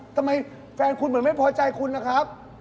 แฟนคุณเหมือนไม่พอใจคุณนะครับ